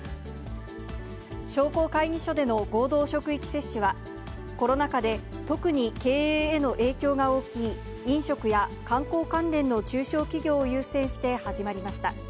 商工会議所での合同職域接種は、コロナ禍で特に経営への影響が大きい飲食や観光関連の中小企業を優先して始まりました。